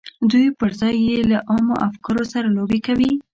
دوی پر ځای یې له عامو افکارو سره لوبې کوي